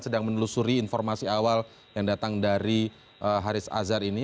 sedang menelusuri informasi awal yang datang dari haris azhar ini